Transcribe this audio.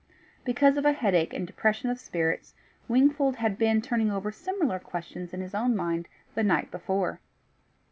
Because of a headache and depression of spirits, Wingfold had been turning over similar questions in his own mind the night before.